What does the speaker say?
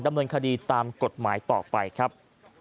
ดำเนินคดีตามกฎหมายต่อไปครับ